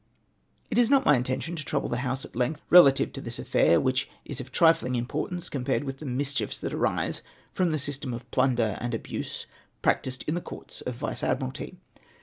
" It is not my intention to trouble the House at length relative to this affair, which is of trifling importance com pared Avith the mischiefs that arise from the system of plunder and abuse practised in the Courts of Vice Admiralty.